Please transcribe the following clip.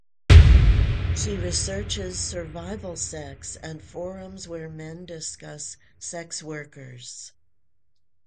She researches survival sex and forums where men discuss sex workers.